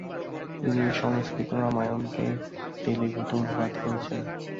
তিনি সংস্কৃত রামায়ণকে তেলুগুতে অনুবাদ করেছিলেন।